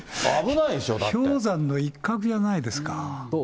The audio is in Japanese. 氷山の一角じゃないですか。